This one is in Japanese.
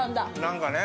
何かね。